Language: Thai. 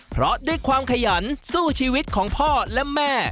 เพราะด้วยความขยันสู้ชีวิตของพ่อและแม่